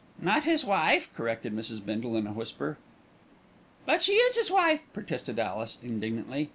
"Not his wife," corrected Mrs. Bindle in a whisper. "But she is 'is wife," protested Alice indignantly.